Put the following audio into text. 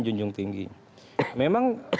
junjung tinggi memang itu adalah hal yang sangat penting